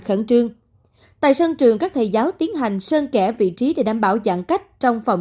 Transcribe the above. sân trường tại sân trường các thầy giáo tiến hành sân kẽ vị trí để đảm bảo giãn cách trong phòng